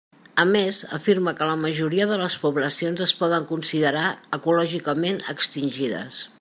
A més, afirma que la majoria de les poblacions es poden considerar ecològicament extingides.